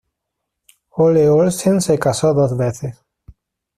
Ole Olsen se casó dos veces.